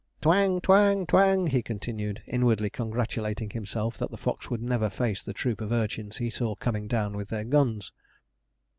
'Twang twang twang,' he continued, inwardly congratulating himself that the fox would never face the troop of urchins he saw coming down with their guns.